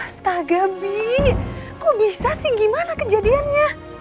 astaga bi kok bisa sih gimana kejadiannya